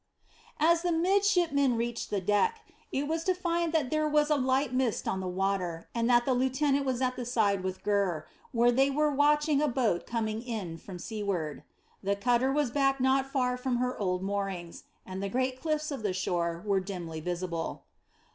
As the midshipman reached the deck, it was to find that there was a light mist on the water, and that the lieutenant was at the side with Gurr, where they were watching a boat coming in from seaward. The cutter was back not far from her old moorings, and the great cliffs of the shore were dimly visible.